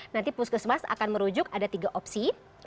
nanti puskesmas akan merujuk ada tiga opsi